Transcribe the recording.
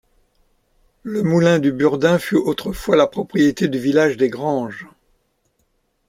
Le moulin du Burdin fut autrefois la propriété du village des Granges.